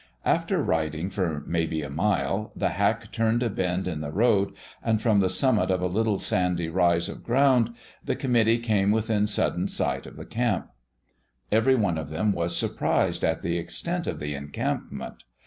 After riding for maybe a mile, the hack turned a bend in the road, and from the summit of a little sandy rise of ground the committee came within sudden sight of the camp. Every one of them was surprised at the extent of the encampment.